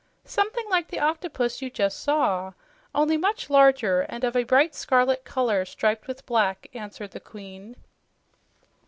"Something like the octopus you just saw, only much larger and of a bright scarlet color, striped with black," answered the Queen.